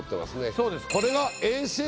そうですか。